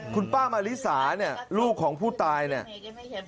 คุณป้ามาริสาเนี่ยลูกของผู้ตายเนี่ย